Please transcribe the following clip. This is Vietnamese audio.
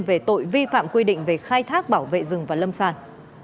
về tội vi phạm quy định về khai thác bảo vệ rừng và lâm sản